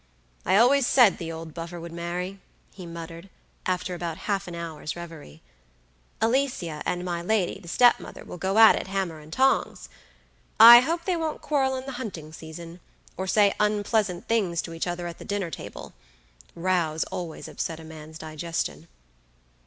"I always said the old buffer would marry," he muttered, after about half an hour's revery. Alicia and my lady, the stepmother, will go at it hammer and tongs. I hope they won't quarrel in the hunting season, or say unpleasant things to each other at the dinner table; rows always upset a man's digestion.